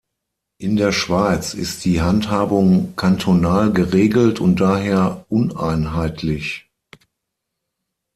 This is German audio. In der Schweiz ist die Handhabung kantonal geregelt und daher uneinheitlich.